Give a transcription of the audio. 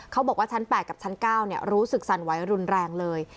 บอกว่าชั้น๘กับชั้น๙รู้สึกสั่นไหวรุนแรงเลย